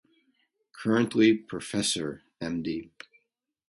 Currently Professor Md.